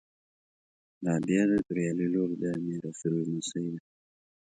رابعه د توریالي لور د میارسول لمسۍ ده